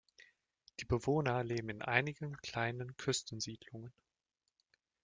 Die Bewohner leben in einigen kleinen Küstensiedlungen.